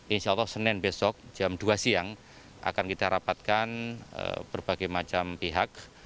insya allah senin besok jam dua siang akan kita rapatkan berbagai macam pihak